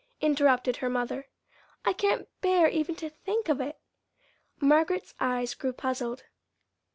interrupted her mother. "I can't bear even to think of it." Margaret's eyes grew puzzled.